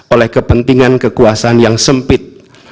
oleh kepentingan kekuasaan yang sempit